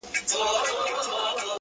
زه وېرېږم خپل قسمت به مي رقیب سي.!